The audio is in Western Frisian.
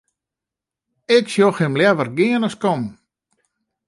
Ik sjoch him leaver gean as kommen.